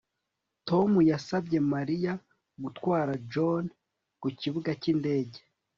Tom yasabye Mariya gutwara John ku kibuga cyindege